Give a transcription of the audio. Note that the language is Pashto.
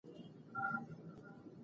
ټولنه د یوه ژوندي موجود په څېر ده.